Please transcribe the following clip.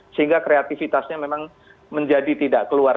sehingga kreativitasnya memang menjadi tidak keluar